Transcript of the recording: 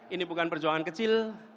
ini bukan perjuangan kecil